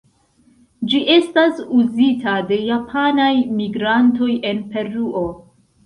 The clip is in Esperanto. Ĝi estas uzita de japanaj migrantoj en Peruo.